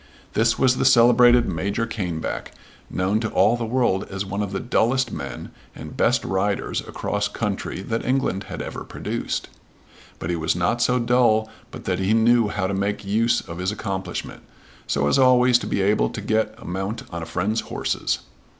This was the celebrated Major Caneback, known to all the world as one of the dullest men and best riders across country that England had ever produced. But he was not so dull but that he knew how to make use of his accomplishment, so as always to be able to get a mount on a friend's horses.